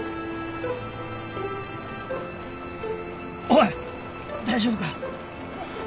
おい大丈夫か？